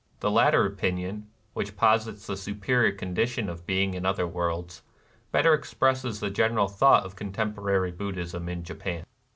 The latter opinion, which posits the superior conditions of being in other worlds, better expresses the general thought of contemporary Buddhism in Japan.